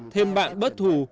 thêm bạn bất thù